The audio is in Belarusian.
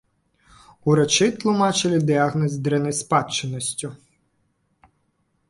Урачы тлумачылі дыягназ дрэннай спадчыннасцю.